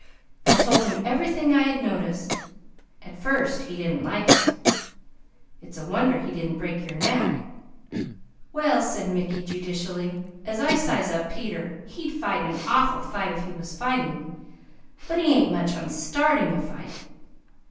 I told him everything I had noticed. At first he didn't like it." "It's a wonder he didn't break your neck." "Well," said Mickey judicially, "as I size Peter up he'd fight an awful fight if he was fighting, but he ain't much on starting a fight.